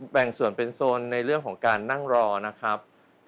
แบ่งส่วนเป็นโซนในเรื่องของการนั่งรอนะครับ